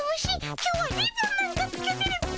今日はリボンなんかつけてるっピ。